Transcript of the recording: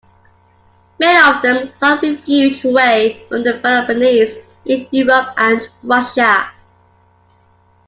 Many of them sought refuge away from the Peloponnese, in Europe and Russia.